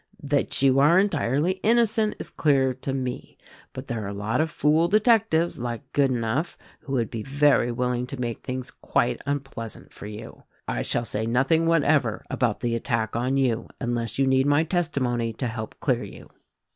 That you are entirely innocent is clear to me; but there are a lot of fool detectives, like Good enough, who would be very willing to make things quite unpleasant for you. I shall say nothing whatever about the attack on you unless you need my testimony to help clear you."